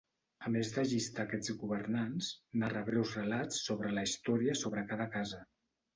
A més de llistar aquests governants, narra breus relats sobre la història sobre cada casa.